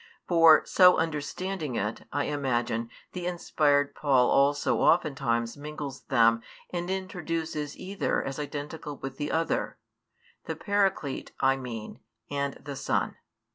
For, so understanding it, I imagine, the inspired Paul also oftentimes mingles Them and introduces Either as identical with the Other; the Paraclete, I mean, and the Son.